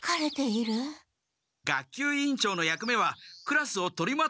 学級委員長の役目はクラスを取りまとめること。